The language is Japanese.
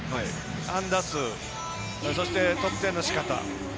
安打数、そして、得点のしかた。